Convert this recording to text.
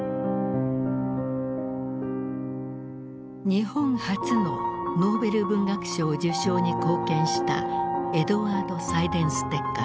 日本初のノーベル文学賞受賞に貢献したエドワード・サイデンステッカー。